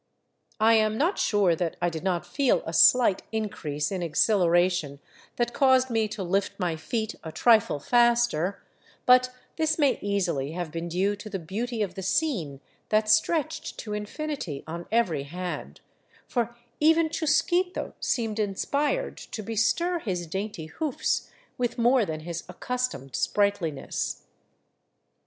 I am not sure that I did not feel a slight increase in exhilaration that caused me to lift my feet a trifle faster ; but this may easily have been due to the beauty of the scene that stretched to infinity on every hand, for even Chusquito seemed inspired to bestir his dainty hoofs with more than his accustomed sprightliness.